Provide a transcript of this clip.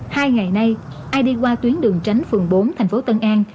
hai ngày nay ai đi qua tuyến đường tránh phường bốn thành phố tân an